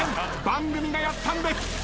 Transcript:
番組がやったんです。